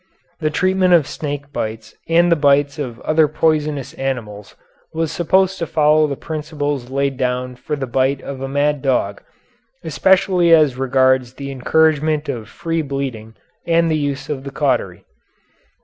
The treatment of snake bites and the bites of other poisonous animals was supposed to follow the principles laid down for the bite of a mad dog, especially as regards the encouragement of free bleeding and the use of the cautery.